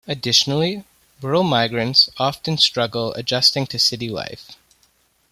Additionally, rural migrants often struggle adjusting to city life.